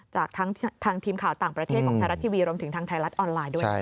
จากทางทีมข่าวต่างประเทศของไทยรัฐทีวีรวมถึงทางไทยรัฐออนไลน์ด้วย